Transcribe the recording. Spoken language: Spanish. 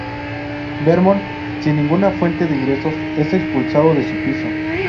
Vernon, sin ninguna fuente de ingresos, es expulsado de su piso.